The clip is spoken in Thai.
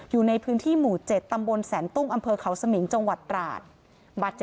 อยู่ในพื้นที่หมู่๗ตำบลแสนตุ้งอเขาสมิงจตราช